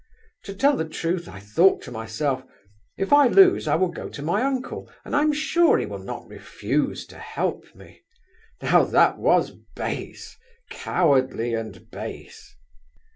To tell the truth, I thought to myself, 'If I lose, I will go to my uncle, and I am sure he will not refuse to help me.' Now that was base—cowardly and base!"